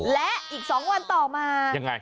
และอีก๒วันต่อมา